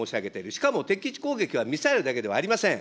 しかも敵基地攻撃はミサイルだけではありません。